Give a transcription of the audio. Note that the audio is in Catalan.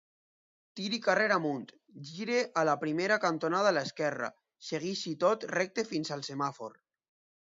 Tiri carrer amunt, giri a la primera cantonada a l'esquerra, segueixi tot recte fins al semàfor.